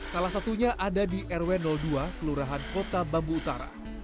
salah satunya ada di rw dua kelurahan kota bambu utara